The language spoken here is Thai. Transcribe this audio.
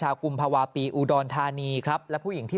ถ้าคุณบริสุทธิ์ใจชี้แจงอย่างไรเรายินดี